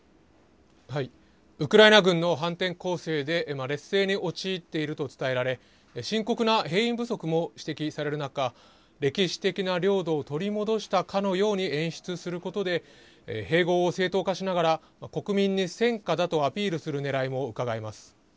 ウクライナ軍の反転攻勢で劣勢に陥っていると伝えられ、深刻な兵員不足も指摘される中、歴史的な領土を取り戻したかのように演出することで、併合を正当化しながら、国民に戦果だとアピールするねらいもうかがえます。